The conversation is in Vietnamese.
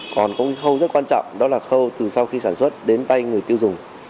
còn có cái khâu rất quan trọng đó là khâu từ sau khi sản xuất đến tay người tiêu dùng